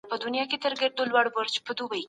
آيا په وحې کي د لوستلو حکم سوی و؟